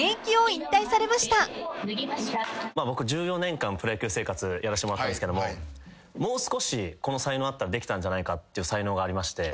僕１４年間プロ野球生活やらしてもらったんですけどもう少しこの才能あったらできたんじゃないかっていう才能がありまして。